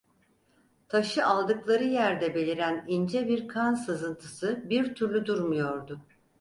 Taşı aldıkları yerde beliren ince bir kan sızıntısı bir türlü durmuyordu.